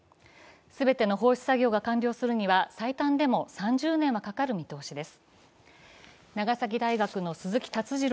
すべての放出作業が完了するには最短でも３０年かかる見通しです。